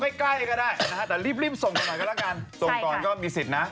ใกล้ใกล้ก็ได้นะฮะแต่รีบส่งกันหน่อยก็แล้วกันส่งก่อนก็มีสิทธิ์นะ